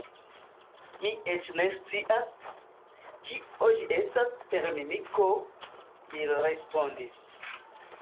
Mi eĉ ne scias, kio ĝi estas « per mimiko », li respondis.